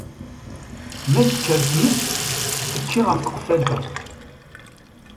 Ma tekker tmes, tekki ɣe tqeffalt.